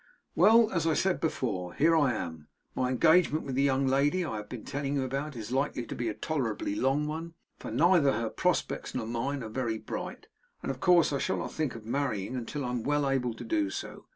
Well! As I said before, here I am. My engagement with the young lady I have been telling you about is likely to be a tolerably long one; for neither her prospects nor mine are very bright; and of course I shall not think of marrying until I am well able to do so.